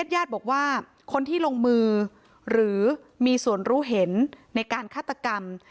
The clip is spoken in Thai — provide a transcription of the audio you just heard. ญาติบอกว่าคนที่ลงมือหรือมีส่วนรู้เห็นในการฆาตกรรม